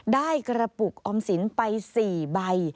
ได้กระปุกออมสินไป๔ใบ